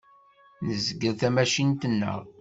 Nezgel tamacint-nneɣ.